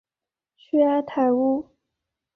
屈埃泰乌。